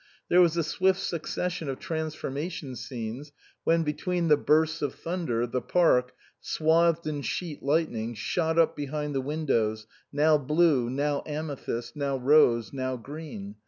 There was a swift suc cession of transformation scenes, when, between the bursts of thunder, the park, swathed in sheet lightning, shot up behind the windows, now blue, now amethyst, now rose, now green.